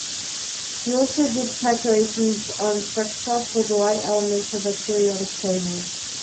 He also did calculations on spectra for the light elements of the periodic table.